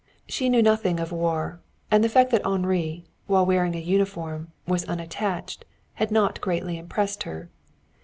She knew nothing of war, and the fact that Henri, while wearing a uniform, was unattached, had not greatly impressed her.